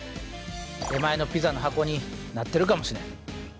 出前のピザの箱になってるかもしれん。